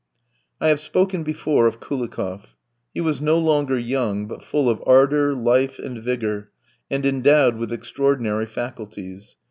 I have spoken before of Koulikoff. He was no longer young, but full of ardour, life, and vigour, and endowed with extraordinary faculties.